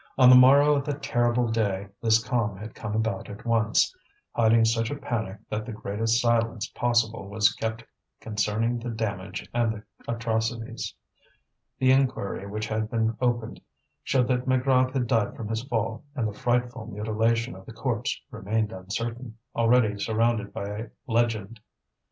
On the morrow of that terrible day this calm had come about at once, hiding such a panic that the greatest silence possible was kept concerning the damage and the atrocities. The inquiry which had been opened showed that Maigrat had died from his fall, and the frightful mutilation of the corpse remained uncertain, already surrounded by a legend.